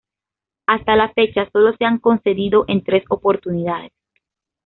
Hasta la fecha sólo se ha concedido en tres oportunidades.